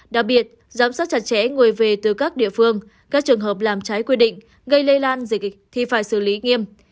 đặc biệt giám sát chặt chẽ người về từ các địa phương các trường hợp làm trái quy định gây lây lan dịch thì phải xử lý nghiêm